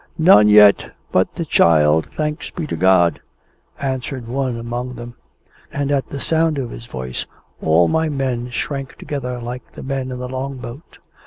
"None yet, but the child, thanks be to God!" answered one among them. And at the sound of his voice, all my men shrank together like the men in the Long boat.